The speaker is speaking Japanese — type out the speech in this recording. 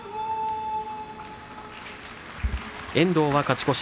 遠藤、勝ち越し